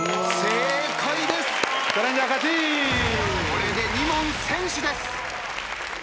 これで２問先取です。